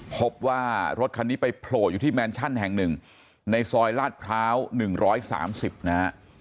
พบว่ารถคันนี้ไปโผล่อยู่ที่แมนชั่นแห่งหนึ่งในซอยลาดพร้าว๑๓๐นะฮะ